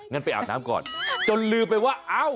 งั้นไปอาบน้ำก่อนจนลืมไปว่าเอ้า